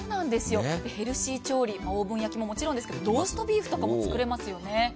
ヘルシー調理オーブン焼きももちろんですがローストビーフとかも作れますよね。